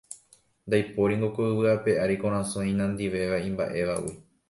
Ndaipóringo ko yvy ape ári korasõ inandivéva imba'évagui